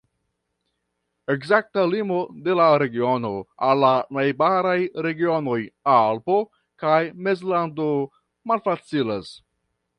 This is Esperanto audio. Ekzakta limo de la regiono al la najbaraj regionoj Alpoj kaj Mezlando malfacilas.